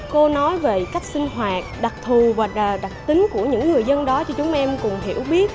cô nói về cách sinh hoạt đặc thù và đặc tính của những người dân đó thì chúng em cùng hiểu biết